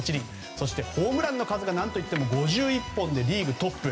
そして、ホームランは何といっても５１本でリーグトップ。